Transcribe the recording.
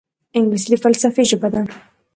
انګلیسي د فلسفې ژبه ده